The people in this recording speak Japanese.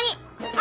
あ。